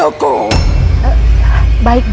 kamu harus menang